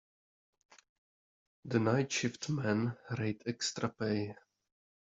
The night shift men rate extra pay.